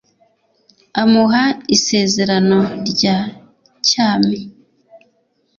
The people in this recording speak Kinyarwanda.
amuha isezerano rya cyami